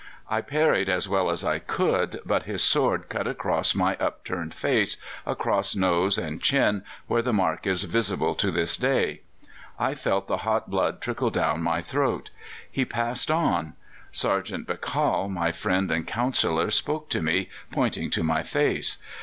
I parried as well as I could, but his sword cut across my upturned face, across nose and chin, where the mark is visible to this day. I felt the hot blood trickle down my throat. He passed on. Sergeant Bakal, my friend and counsellor, spoke to me, pointing to my face.